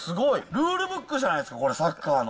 ルールブックじゃないですか、これ、サッカーの。